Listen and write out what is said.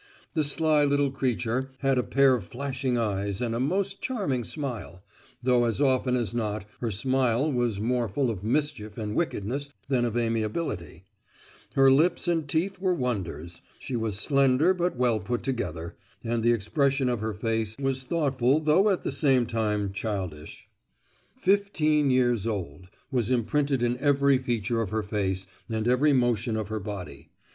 The sly little creature had a pair of flashing eyes and a most charming smile, though as often as not her smile was more full of mischief and wickedness than of amiability; her lips and teeth were wonders; she was slender but well put together, and the expression of her face was thoughtful though at the same time childish. "Fifteen years old" was imprinted in every feature of her face and every motion of her body.